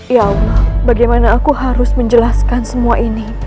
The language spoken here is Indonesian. ya bagaimana aku harus menjelaskan semua ini